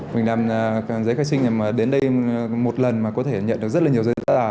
mình làm giấy khai sinh nhằm mà đến đây một lần mà có thể nhận được rất là nhiều giấy tờ